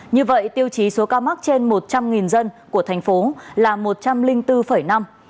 như vậy tiêu chí số ca mắc trên một trăm linh dân của thành phố là một trăm linh bốn năm